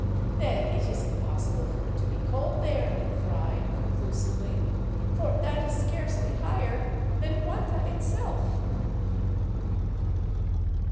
" Then it is impossible for it to be cold there," he cried, conclusively, " for that is scarcely higher than Huanta itself."